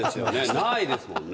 ないですもんね